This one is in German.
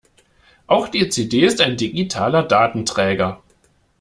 Auch die CD ist ein digitaler Datenträger.